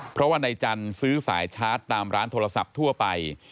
เพราะว่านายจันทร์ซื้อสายชาร์จตามร้านโทรศัพท์ทั่วไป